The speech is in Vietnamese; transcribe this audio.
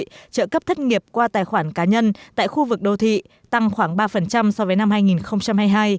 trợ cấp thất nghiệp qua tài khoản cá nhân tại khu vực đô thị tăng khoảng ba so với năm hai nghìn hai mươi hai